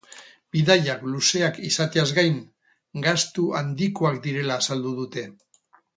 Bidaiak luzeak izateaz gain, gastu handikoak direla azaldu dute.